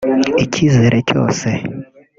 icyizere cyose